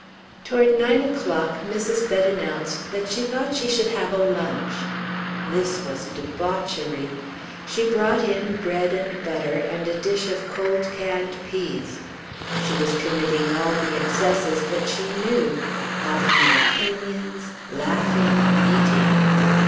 Toward nine o'clock Mrs. Bett announced that she thought she should have a lunch. This was debauchery. She brought in bread and butter, and a dish of cold canned peas. She was committing all the excesses that she knew offering opinions, laughing, eating.